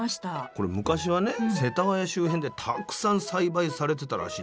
これ昔はね世田谷周辺でたくさん栽培されてたらしいんですよ。